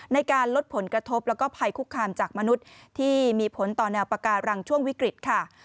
ในการลดผลกระทบแล้วก็ภัยคุกคามจากมนุษย์ที่มีผลต่อแนวปาการังช่วงวิกฤตค่ะ